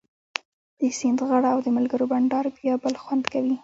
د سیند غاړه او د ملګرو بنډار بیا بل خوند کوي